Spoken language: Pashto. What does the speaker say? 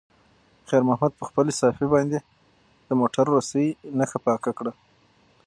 خیر محمد په خپلې صافې باندې د موټر وروستۍ نښه پاکه کړه.